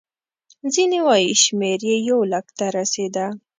ځینې وایي شمېر یې یو لک ته رسېده.